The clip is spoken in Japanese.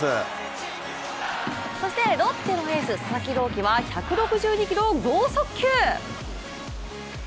そしてロッテのエース佐々木朗希は１６２キロ剛速球！